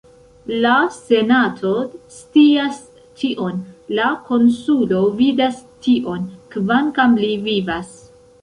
La senato scias tion, la konsulo vidas tion, kvankam li vivas!